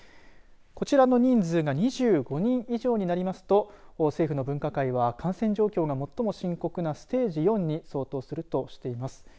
こちらの人数が２５人以上になると政府の分科会は感染状況が最も深刻なステージ４に相当するとしています。